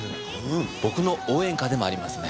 僕の応援歌でもありますね。